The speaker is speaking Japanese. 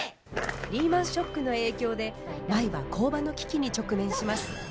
リーマンショックの影響で舞は工場の危機に直面します。